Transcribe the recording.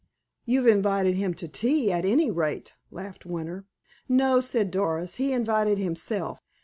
"You've invited him to tea, at any rate," laughed Winter. "No," said Doris. "He invited himself.